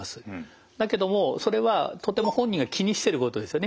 だけどもそれはとても本人が気にしてることですよね。